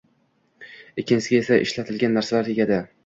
Ikkinchisiga esa ishlatilgan narsalar tegadi